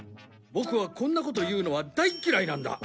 ボクはこんなこと言うのは大っ嫌いなんだ。